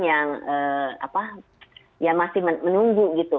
yang apa ya masih menunggu gitu